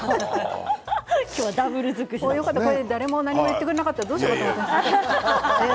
誰も何も言ってくれなかったらどうしようかと思った。